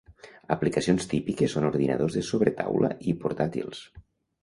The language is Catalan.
Aplicacions típiques són ordinadors de sobretaula i portàtils.